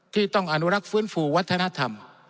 ที่ต้องอนุรักษ์ฟื้นฟูวัฒนธรรม